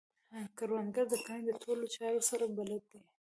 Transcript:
کروندګر د کرنې د ټولو چارو سره بلد دی